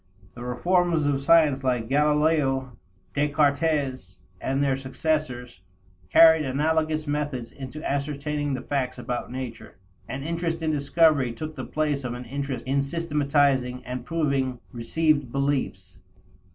The reformers of science like Galileo, Descartes, and their successors, carried analogous methods into ascertaining the facts about nature. An interest in discovery took the place of an interest in systematizing and "proving" received beliefs.